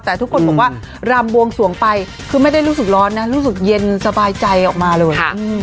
แต่ทุกคนบอกว่ารำบวงสวงไปคือไม่ได้รู้สึกร้อนนะรู้สึกเย็นสบายใจออกมาเลย